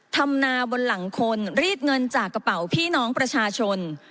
ทำนาบนหลังคนรีดเงินจากกระเป๋าพี่น้องประชาชน